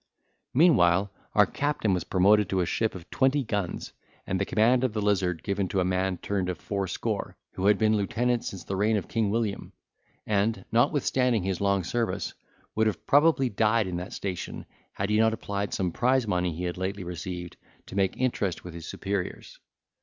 Meanwhile our captain was promoted to a ship of twenty guns, and the command of the Lizard given to a man turned of fourscore, who had been lieutenant since the reign of King William, and, notwithstanding his long service, would have probably died in that station, had he not applied some prize money he had lately received, to make interest with his superiors.